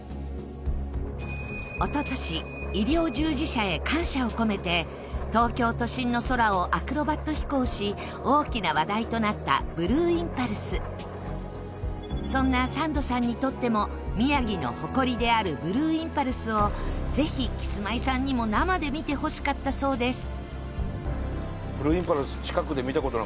一昨年医療従事者へ感謝を込めて東京都心の空をアクロバット飛行し大きな話題となったブルーインパルスそんな、サンドさんにとっても宮崎の誇りであるブルーインパルスをぜひ、キスマイさんにも見てほしかったそうです